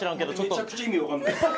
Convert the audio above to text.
めちゃくちゃ意味わかんないですよ。